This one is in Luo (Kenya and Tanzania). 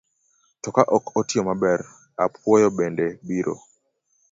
To ka ok otiyo maber, apuoyo bende biro.